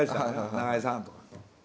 「中井さん」とか。